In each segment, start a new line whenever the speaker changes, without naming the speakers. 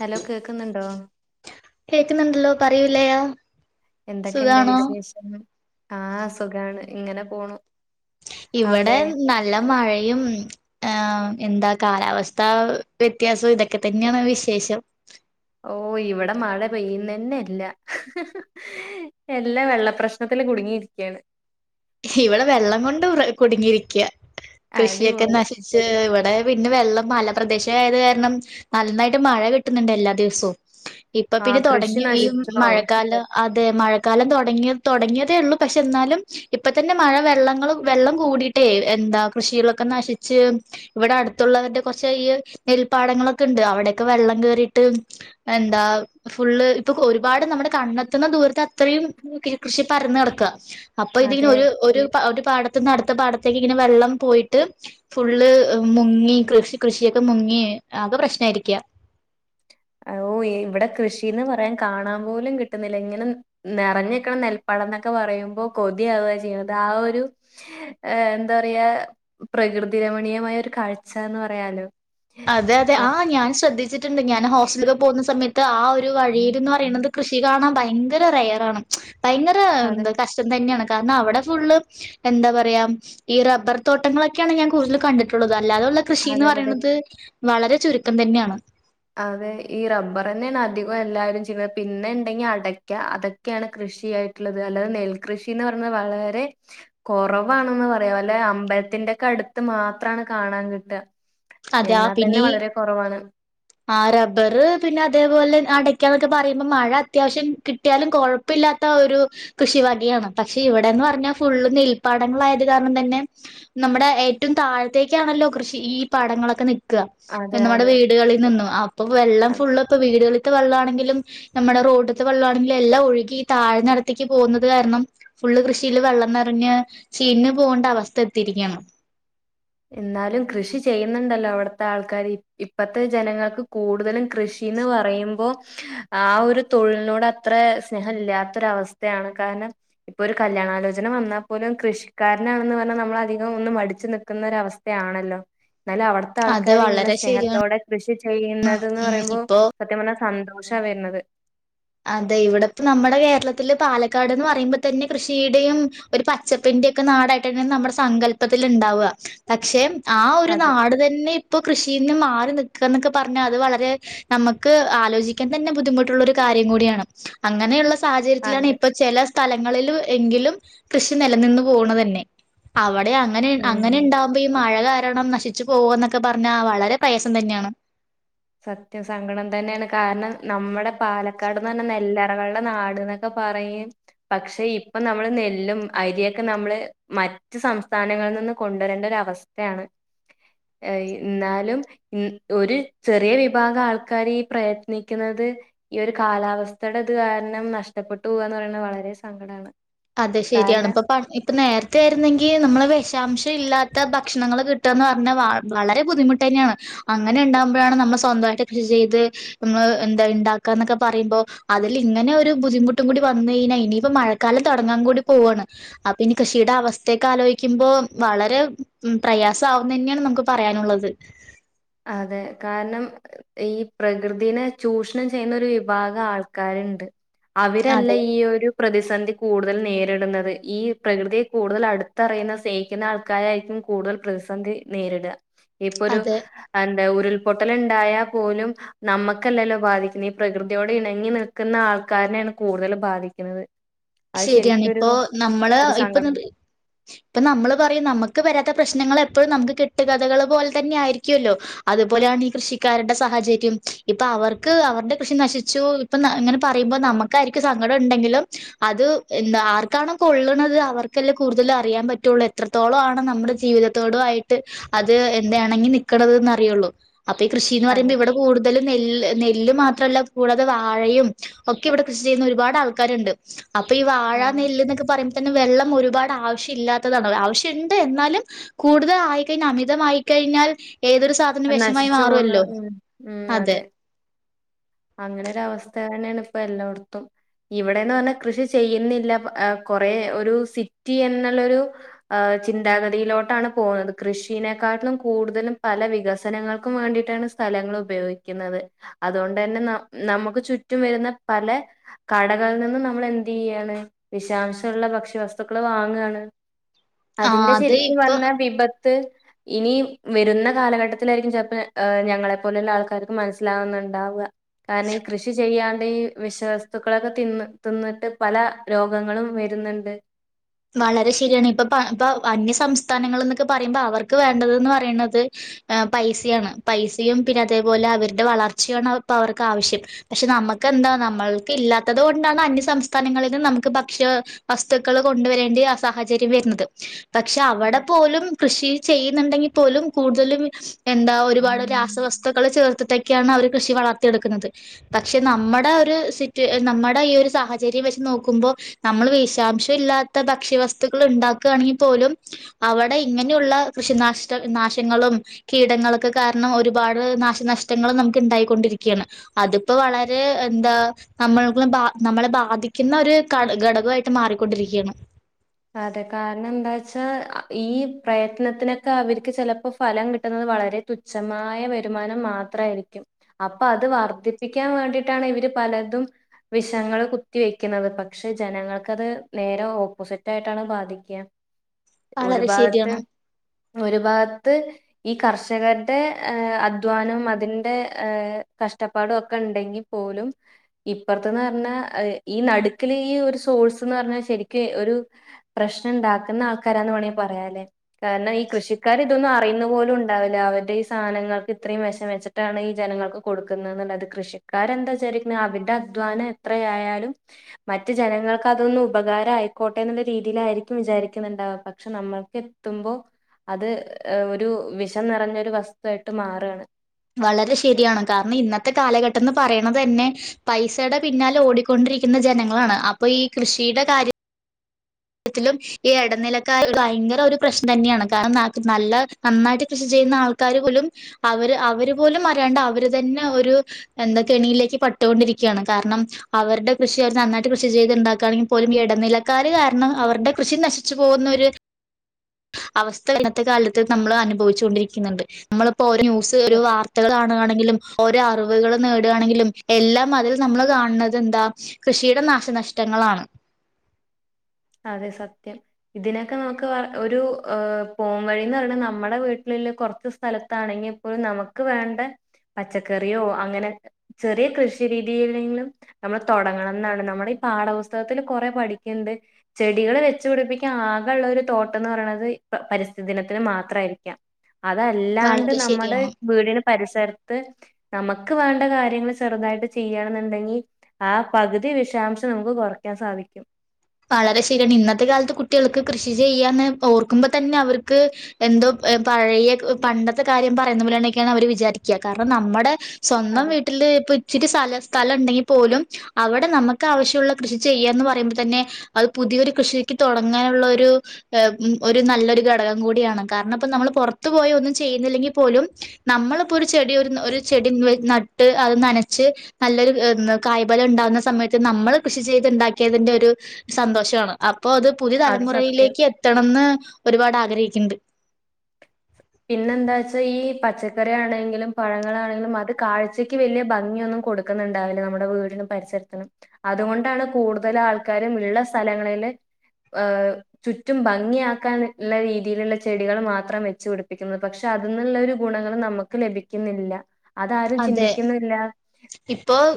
Hello കേക്കുന്നുണ്ടോ
കേക്കുന്നുണ്ടല്ലോ പറയൂലയാ?
എന്തൊക്കെ ഇണ്ട് വിശേഷം, ആഹ് സുഖാണ് ഇങ്ങനെ പോണു. അവിടെ
ഇവിടെ നല്ല മഴയും. ആഹ് എന്താ കാലാവസ്ഥ വ്യത്യാസം ഇതൊക്കെ തന്നെയാണ് വിശേഷം.
ഓഹ് ഇവിടെ മഴ പെയ്യുന്ന തന്നെ ഇല്ല. എല്ലാ വെള്ള പ്രശ്നത്തില് കുടുങ്ങിയിരിക്കയാണ്.
ഇവിടെ വെള്ളം കൊണ്ട് വൃ കുടുങ്ങിയിരിക്കാ കൃഷിയൊക്കെ
അടിപൊളി
നശി ശ്ശെ ഇവിടെ പിന്നെ വെള്ളം മല പ്രദേശം ആയത് കാരണം നന്നായിട്ട് മഴ കിട്ട്ന്ന്ണ്ട് എല്ലാ ദിവസോം ഇപ്പൊ
ആ
പിന്നെ
കൃഷി
തൊടങ്ങി ഈ
നശിച്ചോ
മഴക്കാല അതെ മഴക്കാലം തൊടങ്ങി തൊടങ്ങിയതേ ഉള്ളൂ പക്ഷെ എന്നാലും ഇപ്പ തന്നെ മഴ വെള്ളങ്ങളും വെള്ളം കൂടിട്ടേ എന്താ കൃഷികളൊക്കെ നശിച്ച് ഇവിടെ അടുത്തുള്ളവരടെ കൊർച്ച് ഈയ് നെൽപ്പാടങ്ങളൊക്കെ ഇണ്ട് അവിടെയൊക്കെ വെള്ളം കേറിട്ട് എന്താ ഫുള്ള് ഇപ്പൊക്ക് ഒരുപാട് നമ്മുടെ കണ്ണെത്തുന്ന ദൂരത്ത് അത്രയും കൃഷി പരന്ന് കെടക്കാ അ അപ്പൊ ഇതിങ്ങനെ
അതെ
ഒരു ഒരു ഒരു പാടത്ത്ന്ന് അടുത്ത പാടത്തേക്ക് ഇങ്ങനെ വെള്ളം പോയിട്ട് ഫുള്ള് ഏഹ് മുങ്ങി കൃഷി കൃഷിയൊക്കെ മുങ്ങി ആകെ പ്രശ്നായിരിക്ക്യാ
അ ഓഹ് യേ ഇവടെ കൃഷീന്ന് പറയാൻ കാണാൻ പോലും കിട്ടുന്നില്ല ഇങ്ങനെ നെറഞ്ഞ്ക്ക്ണ നെൽപ്പാടംന്നെക്കെ പറയുമ്പോ കൊതിയാവാ ച്ചിയ്യ്ണത് ആ ഒരു ഏഹ് എന്താ പറയാ പ്രകൃതി രമണീയമായ ഒരു കാഴ്ച എന്ന് പറയാലോ
അതെ അതെ
ആ
ആഹ് ഞാൻ ശ്രദ്ധിച്ചിട്ട്ണ്ട് ഞാൻ ഹോസ്റ്റല്ല്ക്കെ പോകുന്ന സമയത്ത് ആ ഒരു വഴിയില്ന്ന് പറീണത് കൃഷി കാണാൻ ഭയങ്കര റെയറാണ് ഭയങ്കര
അതെ
എന്താ കഷ്ടം തന്നേണ് കാരണം അവടെ ഫുള്ള് എന്താ പറയാ ഈ റബ്ബർ തോട്ടങ്ങളൊക്കെയാണ് ഞാൻ കൂടുതൽ കണ്ടിട്ടുള്ളത് അല്ലാതെ ഉള്ളെ കൃഷിന്ന്
അതെ അതെ
പറിണത് വളരെ ചുരുക്കം തന്നാണ്
അതെ ഈ റബ്ബറെന്നേണ് അധികം എല്ലാരും ചിയ്ണത് പിന്നെ ഇണ്ടെങ്കി അടക്ക്യ അതൊ ക്കെയാണ് കൃഷി ആയിട്ട്ള്ളത് അല്ലതെ നെൽകൃഷിന്ന് പറയ്ന്ന് വളരെ കൊറവാണ്ന്ന് പറയാ വല്ലെ അമ്പൽത്തിന്റെക്കെ അടുത്ത് മാത്രാണ് കാണാൻ കിട്ടാ എന്നാൽ തന്നെ വളരെ കുറവാണ്.
ആഹ് റബ്ബർ പിന്നെ അതേപോലെ അടക്കാ എന്നൊക്കെ പറയുമ്പോ മഴ അത്യാവശ്യം കി ട്ടിയാലും കുഴപ്പില്ലാത്ത ഒരു. കൃഷി വകയാണ്, പക്ഷെ ഇവിടെ എന്ന് പറഞ്ഞാൽ ഫുള്ള് നെൽപ്പാടങ്ങളായത് കാരണം തന്നെ. നമ്മുടെ ഏറ്റവും താഴത്തേക്കാണല്ലോ കൃഷി ഈ പാടങ്ങളൊക്കെ നൽക്കുക
അതെ
നമ്മുടെ
അതെ
വീടുകളിൽ. നിന്നു അപ്പൊ വെള്ളം ഫുള്ള് ഇപ്പം വീടുകളിത്തെ വെള്ളം ആണെങ്കിലും. നമ്മുടെ റോഡുത്തെ വെള്ളമാണെങ്കിലും എല്ലാം ഒഴുകി താഴെ ഇടത്തേക്ക് പോകുന്നത് കാരണം. ഫുള്ള് കൃഷിയില് വെള്ളം നിറഞ്ഞ് ചീഞ്ഞു പോകേണ്ട അവസ്ഥ എത്തിരിക്കയാണ്.
എന്നാലും കൃഷി ചെയ്യുന്നുണ്ടല്ലോ അവിടുത്തെ ആൾക്കാർ ഇപ്പഴത്തെ ജനങ്ങൾക്ക് കൂടുതലും കൃഷി. എന്ന് പറയുമ്പോ ആഹ് ഒരു തൊഴിലിനോട് അത്ര സ്നേഹം ഇല്ലാത്തൊരു അവസ്ഥയാണ് കാരണം. ഇപ്പൊ ഒരു കല്യാണ ആലോചന വന്നാൽ പോലും കൃഷിക്കാരനാണെന്ന് പറഞ്ഞാൽ നമ്മള് അധികം ഒന്ന് മടിച്ച് നി ക്കുന്നൊരു അവസ്ഥയാണല്ലോ, എന്നാലും അവിടുത്തെ
അത്
ആൾക്കാർ ഇങ്ങനെ
വളരെ ശരിയാണ്
സ്നേഹത്തോടെ. കൃഷി ചെയ്യുന്നത് എന്ന്
ഉം
പറയുമ്പോ
ഇപ്പൊ
സത്യം പറഞ്ഞാൽ സന്തോഷാ വരുന്നത്.
അതെ ഇവിടെ ഇപ്പം നമ്മുടെ കേരളത്തില് പാലക്കാട് എന്ന് പറയുമ്പോ തന്നെ കൃഷിയുടെയും. ഒരു പച്ചപ്പിന്റെ ഒക്കെ നാടായിട്ടാണ് നമ്മുടെ സങ്കല്പത്തിൽ ഉണ്ടാവുക, പക്ഷെ ആഹ് ഒരു
അതെ
നാട്. അത് തന്നെ ഇപ്പൊ കൃഷിന്ന് മാറി നിക്കുക എന്നൊക്കെ പറഞ്ഞാൽ അത് വളരെ. നമുക്ക് ആലോചിക്കാൻ തന്നെ ബുദ്ധിമുട്ടുള്ളൊരു. കാര്യം കൂടിയാണ്, അങ്ങനെയുള്ള സാഹചര്യത്തിലാണ്
അതെ
ഇപ്പൊ ചില. സ്ഥലങ്ങളിൽ എങ്കിലും കൃഷി നിലനിന്നു പോകണത് തന്നെ, അവിടെ അങ്ങനെ അങ്ങനെ
ഉം
ഉണ്ടാവ ആകുമ്പോ ഈ മഴ കാരണം നശിച്ചു പോകന്നൊക്കെ പറഞ്ഞാൽ വളരെ പ്രയാസം തന്നെയാണ്
സത്യം സങ്കടം തന്നെയാണ് കാരണം നമ്മുടെ പാലക്കാട്ന്ന് പറഞ്ഞ നെല്ലറകളുടെ നാട്ന്ന് ക്കെ പറയല് പക്ഷെ ഇപ്പൊ നമ്മള് നെല്ലും അരിയൊക്കെ നമ്മള് മറ്റു സംസ്ഥാനങ്ങളിൽ നിന്ന് കൊണ്ടുവരേണ്ട ഒരു അവസ്ഥ യാണ് എന്നാലും ഒരു ചെറിയ വിഭാഗം ആൾക്കാര് ഈ പ്രയത്നിക്കുന്നത് ഈ ഒരു കാലാവസ്ഥയുടെ ഇത് കാരണം നഷ്ടപ്പെട്ടു പോവാന്ന് പറയുമ്പം വളരെ സങ്കടമാണ്
അതെ
കാരണം
ശരിയാണ് ഇപ്പം ഇപ്പം നേരത്തെ ആയിരുന്നെങ്കിൽ നമ്മൾ വിഷാംശം ഇല്ലാത്ത ഭക്ഷണങ്ങള് കിട്ടുകന്ന് പറഞ്ഞാൽ വളരെ ബുദ്ധിമുട്ട് തന്നെയാണ് അങ്ങനെ ഉണ്ടാകുമ്പോഴാണ് നമ്മൾ സ്വന്തമായിട്ട് കൃഷി ചെയ്ത് എന്താ ഉണ്ടാക്കാന്നൊക്കെ പറയ്പോ അതിൽ ഇങ്ങനെ ഒരു ബുദ്ധിമുട്ടും കൂടി വന്ന് കഴിഞ്ഞാൽ ഇനിയിപ്പോ മഴക്കാലത്ത് തുടങ്ങാൻ കൂടി പോവയാണ് അപ്പൊ ഇനി കൃഷിയുടെ അവസ്ഥയൊക്കെ ആലോചിക്കുമ്പോ വളരെ പ്രയാസം ആവുന്നു ന്നെയാണ് നമുക്ക് പറയാനുള്ളത്
അതെ കാരണം ഈ പ്രകൃതിനെ ചൂഷണം ചെയ്യുന്ന ഒരു വിഭാഗം ആൾക്കാരുണ്ട് അവരല്ലേ
അതെ
ഈ ഒരു പ്രതിസന്ധി കൂടുതൽ നേരിടുന്നത് ഈ പ്രകൃതിയെ കൂടുതൽ അടുത്തറിയുന്ന സ്നേഹിക്കുന്ന ആൾക്കാരായിരിക്കും കൂടുതൽ പ്രതിസന്ധി നേരിടുക ഇപ്പൊ ഒരു
അതെ
എന്താ ഉരുൾപൊട്ടൽ ഉണ്ടായാൽ പോലും നമ്മക്കല്ലല്ലോ ബാധിക്കുന്ന ഈ പ്രകൃതിയോട് ഇണങ്ങി നിൽക്കുന്ന ആൾക്കാരനെയാണ് കൂടുതൽ ബാധിക്കുന്നത് അത്
ശരിയാണ്
ശരിക്കൊരു
ഇപ്പൊ
ഒരു
നമ്മള്
ഒരു
ഇപ്പൊ
സങ്കടം
ഇപ്പൊ നമ്മൾ പറയും നമുക്ക് വരാത്ത പ്രശ്നങ്ങൾ എപ്പോഴും നമുക്ക് കെട്ടുകഥകൾ പോലെ തന്നെ ആയിരിക്കുമല്ലോ അതുപോലെയാണ് ഈ കൃഷിക്കാരുടെ സാഹചര്യം ഇപ്പൊ അവർക്ക് അവരുടെ കൃഷി നശിച്ചു ഇപ്പൊ അങ്ങനെ പറയുമ്പോ നമുക്കായിരിക്കും സങ്കടം ഉണ്ടെങ്കിലും അത് എന്താ ആർക്കാണോ കൊള്ളണുന്നത് അവർക്കല്ലേ കൂടുതല് അറിയാൻ പറ്റുള്ളൂ എത്രത്തോളം ആണ് നമ്മുടെ ജീവിത ത്തോട് ആയിട്ട് അത് എണങ്ങി നിക്കണത് അറിയുള്ളൂ അപ്പൊ ഈ കൃഷിന്ന്
അതെ.
പറയുമ്പോ ഇവിടെ കൂടുതല് നെല് നെല്ല് മാത്രല്ല കൂടാതെ വാഴയും ഒക്കെ ഇവിടെ കൃഷി ചെയ്യുന്ന ഒരുപാട് ആൾക്കാരുണ്ട് അപ്പൊ ഈ വാഴ
ഉം.
നെല്ല് എന്നൊക്ക പറയ്പോ തന്നെ വെള്ളം ഒരുപാട് ആവശ്യം ഇല്ലാത്തതാണ് ആവശ്യുണ്ട് എന്നാലും കൂടുതൽ ആയിക്കഴിഞ്ഞാൽ അമിതമായി കഴിഞ്ഞാൽ ഏതൊരു സാധ അതിന്
അത്
വെഷമായി
നശിച്ചു പോകുന്ന
മാറുമല്ലോ
ഉം
അതെ
അങ്ങനൊരു അവസ്ഥ തന്നെയാണ് ഇപ്പൊ എല്ലോടത്തും ഇവിടെന്ന് പറഞ്ഞാ കൃഷി ചെയ്യുന്നില്ല കൊറ ഒരു സിറ്റി എന്നുള്ളൊരു ആ ചിന്താഗതിയിലോട്ടാണ് പോകുന്നത് കൃഷിനെക്കാട്ടിലും കൂടുതലും പല വികസനങ്ങൾക്കും വേണ്ടിയിട്ടാണ് സ്ഥ സ്ഥലങ്ങളുപയോഗിക്കുന്നത് അതുകൊണ്ട് തന്നെ ന നമുക്ക് ചുറ്റും വരുന്ന പല കടകളിൽ നിന്നും നമ്മൾ എന്ത് ചെയ്യാണ് വിഷാംശമുള്ള ഭക്ഷ്യ വസ്തുക്കള് വാങ്ങുവാണ്
ആ
അതിന്റെ
അത്
ശരിക്കും
ഇപ്പൊ
വന്ന വിപത്ത് ഇനി വരുന്ന കാലഘട്ടത്തിലായിരിക്കും ചിലപ്പോ ഞങ്ങളെപ്പോലെയുള്ള ആൾക്കാർക്ക് മനസ്സിലാവുന്നുണ്ടാവുക കാരണം ഈ കൃഷി ചെയ്യാണ്ട ഈ വിഷം വസ്തുക്കളൊക്കെ തിന്ന് തിന്നിട്ട് പല രോഗങ്ങളും വരുന്നുണ്ട്
വളരെ ശരിയാണ് ഇപ്പ ഇപ്പ അന്യ സംസ്ഥാനങ്ങള് എന്നൊക്കെ പറയുമ്പോ അവർക്ക് വേണ്ടത് പറയണത് പൈസയാണ് പൈസയും പിന്നെ അതേപോലെ അവരുടെ വളർച്ചയുവാണ് അപ്പ അവർക്കാവശ്യം പക്ഷെ നമുക്കെന്താ നമ്മൾക്ക് ഇല്ലാത്തത് കൊണ്ടാണ് അന്യ സംസ്ഥാനങ്ങളില് നമുക്ക് ഭക്ഷ്യ വസ് വസ്തുക്കൾ കൊണ്ടുവരേണ്ടി ആ സാഹചര്യം വരുന്നത് പക്ഷെ അവിടെ
അതെ.
പോലും കൃഷി ചെയ്യുന്നുണ്ടെങ്കി പോലും കൂടുതലും എന്താ ഒരുപാട് രാസവസ്തുക്കള് ചേർത്തിട്ടൊക്കെയാണ് അവര് കൃഷി വളർത്തിയെടുക്കുന്നത് പക്ഷെ നമ്മുടെ ഒരു സിറ്റ് നമ്മുടെ ഈ ഒരു സാഹചര്യം വെച്ച് നോക്കുമ്പോൾ നമ്മള് വിഷാശം ഇല്ലാത്ത ഭക്ഷ്യവസ്തുക്കൾ ഇണ്ടാക്കുകയാണെങ്കിൽ പോലും അവിടെ ഇങ്ങനെയുള്ള കൃഷിനഷ്ട്ട നാശങ്ങളും കീടങ്ങളൊക്കെ കാരണം ഒരുപാട് നാശനഷ്ട്ടങ്ങള് നമുക്ക് ഇ ണ്ടായികൊണ്ടിരിക്കുകയാണ് അതിപ്പൊ വളരെ എന്താ നമ്മളും ബ നമ്മളെ ബാധിക്കുന്ന ഒരു ഘടകമായിട്ട് മാറിക്കൊണ്ടിരിക്കുകയാണ്
അതെ കാരണം എന്താവെച്ച ഈ പ്രയത്നത്തിനൊക്കെ അവർക്ക് ചെലപ്പൊ ഫലം കിട്ടുന്നത് വളരെ തുച് തുച്ഛമായ വരുമാനം മാത്രാ യിരിക്കും അപ്പൊ അത് വർധിപ്പിക്കാൻ വേണ്ടിട്ടാണ് ഇവര് പലതും വിഷങ്ങള് കുത്തി വെക്കുന്നത് പക്ഷെ ജനങ്ങൾക്ക് അത് നേരെ ഓപ്പോസിറ്റ് റ്റായിട്ടാണ് ബാധിക്കുക ഒരു
വളരെ
ഭാഗത്ത്
ശരിയാണ്
ഒരു ഭാഗത്ത് ഈ കർഷകരുടെ അധ്വാനവും അതിന്റെ കഷ്ടപ്പാടും ഒക്കെ ഉണ്ടെങ്കി പ്പോലും ഇപ്പറത്തെന്ന് പറഞ്ഞാൽ ഈ നടുക്കില് ഈ ഒരു സോഴ്സ് എന്ന് പറഞ്ഞാൽ ശെരിക്ക് ഒരു പ്രശ്നം ഉണ്ടാക്കുന്ന ആൾക്കാരാന്ന് വേണമെങ്കിൽ പറയാലേ കാരണം ഈ കൃഷിക്കാർ ഇതൊന്നും അറിയുന്ന പോലുംണ്ടാ ണ്ടാവില്ല അവരുടെ ഈ സാധനങ്ങൾക്ക് ഇത്രയും വിശം വെച്ചിട്ടാണ് ഈ ജനങ്ങൾക്ക് കൊടുക്കുന്നത് എന്നുള്ളത് കൃഷി ക്കാരെന്താ വിചാരിക്കുന്നത് അവരുടെ അധ്വാനം എത്രയായാ ലും മറ്റ് ജനങ്ങൾക്ക് അതൊന്ന് ഉപകാരായിക്കോ ട്ടെ എന്നുള്ള രീതിയിലായിരിക്കും വിചാരിക്കുന്നുണ്ടാവുക പക്ഷെ നമ്മൾക്കെത്തുമ്പൊ അത് ഒരു വിഷം നിറഞ്ഞൊരു വസ്തുവായിട്ട് മാറുവാണ്
വളരെ ശരിയാണ് കാരണം ഇന്നത്തെ കാലഘട്ടന്ന് പറയണത് തന്നെ പൈസയുടെ പിന്നാലെ ഓടിക്കൊണ്ടിരിക്കുന്ന ജനങ്ങളാണ് അപ്പൊ ഈ കൃഷിയുടെ കാര്യ ത്തിലും ഈ ഇടനിലക്കാര് ഭയങ്കര ഒരു പ്രശ്നം തന്നെയാണ് കാരണം നല്ല നന്നായിട്ട് കൃഷി ചെയ്യുന്ന ആൾക്കാര് പോലും അവര് അവര് പോലും അറിയാണ്ട് അവര് തന്നെ ഒരു എന്താ കെണിയിലേക്ക് പെട്ടോണ്ടിരിക്കുകയാണ് കാരണം അവരുടെ കൃഷി അവർ നന്നായിട്ട് കൃഷി ചെയ്ത് ഉണ്ടാക്കുകയാണെങ്കിൽ പോലുംഈ ഇടനിലക്കാര് കാരണം കാരണം അവരുടെ കൃഷി നശിച്ചു പോകുന്നൊരു അവസ്ഥ ഇന്നത്തെ കാലത്ത് നമ്മള് അനുഭവിച്ചുകൊണ്ടിരിക്കുന്നുണ്ട് നമ്മളിപ്പൊ ഒരു ന്യൂസ്
സ
ഒരു വാർത്തകള് കാണുകാണെങ്കിലും ഓരോ അറിവുകള് നേടുകയാണെങ്കിലും എല്ലാം അതിൽ നമ്മള് കാണുന്നത് എന്താ കൃഷിയുടെ നാശനഷ്ട്ടങ്ങളാണ്
അതെ സത്യം ഇതിനൊക്കെ നമുക്ക് ഒരു പോം വഴിന്ന് പറഞ്ഞാൽ നമ്മുടെ വീട്ടിലിലെ കൊറച്ച് സ്ഥലത്താണെങ്കി ഒരു നമുക്ക് വേണ്ട പച്ചക്കറിയോ അങ്ങനെ ചെറിയ കൃഷി രീതിയിലെങ്കിലും. നമ്മള് തൊടങ്ങണം എന്നാണ് നമ്മടെ ഈ പാഠപുസ്തകത്തില് കുറേ പഠിക്കണ്ട്. ചെടികൾ വെച്ചു പിടിപ്പിക്കാൻ ആകെ ഉള്ള ഒരു തോട്ട്ന്ന് പറയണത് പരിസ്ഥി ദിനത്തിന് മാത്രമായിരിക്കാം. അതല്ലാണ്ട്
വളരെ
നമ്മുടെ
ശരിയാണ്
വീടിന് പരിസരത്ത്. നമുക്ക് വേണ്ട കാര്യങ്ങൾ ചെറുതായിട്ട് ചെയ്യണെന്നുണ്ടെങ്കി ആഹ് പകുതി വിഷാംശം നമുക്ക് കുറയ്ക്കാൻ സാധിക്കും.
വളരെ ശരിയാണ് ഇന്നത്തെ കാലത്ത് കുട്ടികൾക്ക് കൃഷി ചെയ്യാന്ന് ഓർക്കുമ്പൊ തന്നെ അവർക്ക്. എന്തോ പഴയ പണ്ടത്തെ കാര്യം പറയുന്ന പോലെണൊക്കെയാണ് അവര് വിചാരിക്കുക കാരണം നമ്മടെ. സ്വന്തം
അതെ.
വീട്ടില് ഇപ്പൊ ഇച്ചിരി സ്ഥല സ്ഥലം ഉണ്ടെങ്കിൽ പോലും അവിടെ നമ്മക്ക് ആവശ്യള്ള കൃഷി ചെയ്യാന്ന് പറയുമ്പോൾ തന്നെ അത് പുതിയൊരു കൃഷിക്ക് തൊടങ്ങാനുള്ള ഒരു ഏഹ് ഒരു നല്ലൊരു ഘടകം കൂടിയാണ്. കാരണം, ഇപ്പോ നമ്മള് പൊറത്ത്പോയി ഒന്നും ചെയ്യുന്നില്ലെങ്കിൽ പോലും നമ്മള്പ്പോ ഒരു ചെടി ഒരു ഒരു ചെടി നട്ട് അത് നനച്ച് നല്ലൊരു കായ്ബലം ഇണ്ടാവ്ന്ന സമയത്ത് നമ്മൾ കൃഷി ചെയ്ത് ഇണ്ടാക്കിയതിന്റെ ഒരു സന്തോഷാണ് അപ്പോ അത് പുതിയ
അത് സത്യം.
തലമുറയിലേക്ക് എത്തണന്ന് ഒരുപാട് ആഗ്രഹിക്ക്ണ്ട്.
പിന്നെ എന്താ വെച്ചാ ഈ പച്ചക്കറി ആണെങ്കിലും പഴങ്ങളാണെങ്കിലും അത് കാഴ്ചക്ക് വലിയ ഭംഗിയൊന്നും കൊട് ക്ക്ന്ന്ണ്ടാവില്ല നമ്മുടെ വീടിനും പരിസരത്തിനും അതുകൊണ്ടാണ് കൂടുതൽ ആൾക്കാരും ഉള്ള സ്ഥലങ്ങളില് ഹ് ചുറ്റും ഭംഗിയാക്കാൻള്ള രീതിയിലുള്ള ചെടികൾ മാത്രം വെച്ച് പിടിപ് പ്പിക്കുന്നത് പക്ഷെ അതിന്ന്ള്ള ഒരു ഗുണങ്ങൾ നമ്മ്ക്ക് ലഭിക്കുന്നില്ല. അതാരും
അതെ.
ചിന്തിക്കുന്നില്ല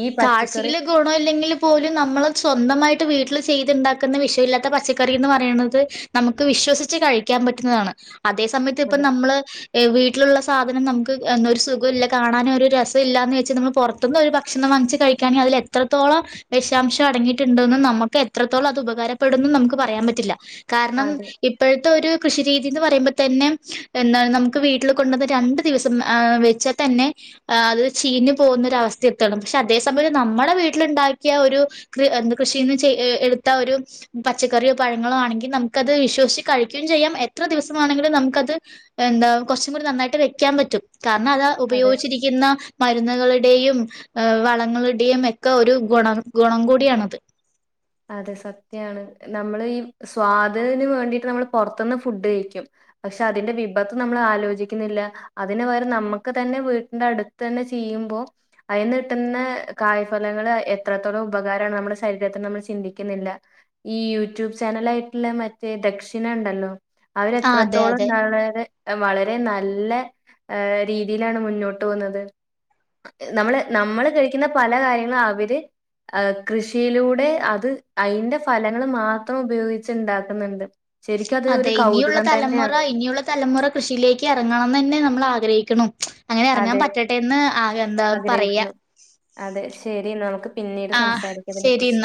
ഈ പച്ചക്കറി
ഗുണോ ഇല്ലെങ്കിൽ പോലും നമ്മൾ സ്വന്തമായിട്ട് വീട്ടിൽ ചെയ്തുണ്ടാക്ക്ന്ന വിഷവില്ലാത്തെ പച്ചക്കറിന്ന് പറയ്ണത് നമ്ക്ക് വിശ്വസിച്ച് കഴിക്കാൻ പറ്റുന്നതാണ്. അതേ സമയത്ത് ഇപ്പം
അതെ
നമ്മള് വീട്ടില്ള്ള സാധനം നമുക്ക് സുഖോ ഇല്ല കാണാന് ഒരു രസൊല്ലാ എന്ന് വെച്ച് നമ്മൾ പുറത്ത്ന്ന് ഒരു ഭക്ഷണം വാങ്ങിച്ച്കാഴിക്കാണെങ്കിൽ അതിൽ എത്രത്തോളം വെഷാംശം അടങ്ങിയിട്ട്ണ്ട് ന്ന് നമ്മക്ക് എത്രത്തോളം അത് ഉപകാരപ്പെടുന്ന് നമുക്ക് പറയാൻ പറ്റില്ല. കാർണം
അതെ
ഇപ്പോഴെത്തെ ഒരു കൃഷി രീതി എന്ന് പറയുമ്പോ തന്നെ എന്നാ നമുക്ക് വീട്ടിൽ കൊണ്ടുവന്ന് രണ്ടു ദിവസം വെച്ചാ തെന്നേ അത് ചീഞ്ഞ് പോകുന്നൊരവസ്ഥ എത്തണം പഷേ അതേ സമയം നമ്മുടെ വീട്ടില്ണ്ടാക്കിയ ഒരു കൃ എന്ത് കൃഷിന്ന് ചെയ് എട്ത്ത ഒരു പച്ചക്കറി ഓപഴങ്ങളോ ആണെങ്കിൽ നമുക്കത് വിശ്വസിച്ച് കഴിക്കുകയും ചെയ്യാം എത്ര ദിവസമാണെങ്കിലും നമ്ക്കത് എന്താ കൊർച്ചും കൂടി നന്നായിട്ട് വെക്യാൻ പറ്റും കാരണം അതാ
അതെ
ഉപയോഗിച്ചിരി ക്കിന്ന മര്ന്ന്കളുടേയും വളെങ്ങളുടെയും ഒക്കെ ഒരു ഗുണർ ഗുണം കൂടിയാണത്.
അതെ സത്യാണ് നമ്മൾ ഈ സ്വാദ്ന് വേണ്ടിയിട്ട് നമ്മള് പൊറത്ത്ന്ന് ഫുഡ്ഡ് കഴിക്കും. പക്ഷെ അതിന്റെ വിപത്ത് നമ്മൾ ആലോചിക്കുന്നില്ല അതിനു പകരം നമ്മക്ക് തന്നെ വീട്ടിന്റെ അടുത്ത് തന്നെ ചെയ്യുമ്പോ അയിന്ന് കിട്ട്ന്ന കായ്ഫലങ്ങൾ എത്രത്തോളം ഉപകാരമാണ് നമ്മുടെ ശരീരത്തിന് നമ്മൾ ചിന്തിക്കിന്നില്ല ഈ യൂട്യൂബ് ചാനലായിട്ട്ള്ള മറ്റേ ദക്ഷിണ ഉണ്ടല്ലോ അവര്
ആഹ് അതെ
എത്രത്തോളം
അതെ.
നാളേരെ വളരെ നല്ലെ രീതിയിലാണ് മുന്നോട്ട് പോകുന്നത് നമ്മള്, നമ്മള് കഴിക്കുന്ന പല കാര്യങ്ങളും അവര് കൃഷിയിലൂടെ അത് അയിന്റെ ഫലങ്ങൾ മാത്രം ഉപയോഗിച്ച് ഇണ്ടാക്കുന്നുണ്ട്
അതെ ഇനിയുള്ള തലമുറ ഇനിയുള്ള. തലമുറ കൃഷിയിലേക്ക് ഇറങ്ങണംന്ന് തന്നെ നമ്മൾ ആഗ്രഹിക്കണു അങ്ങനെ എറങ്ങാൻ
അതെ
പറ്റട്ടെ എന്ന് ആ എന്താ പറയാ
ആഗ്രഹിക്കുന്നു. അതെ ശെരിന്നാ നമുക്ക് പിന്നീട്
ആഹ്
സംസാരിക്ക ഇതിനെ
ശരി ഇന്നാ.
കുറിച്ച്.